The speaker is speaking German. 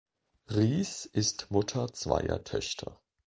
Reece ist Mutter zweier Töchter.